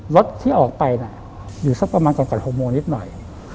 รถที่ออกไปน่ะอยู่สักประมาณก่อน๖โมงนิดหน่อย